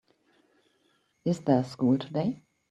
Is there school today?